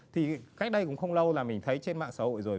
thì cách đây cũng không lâu là mình thấy trên mạng xã hội rồi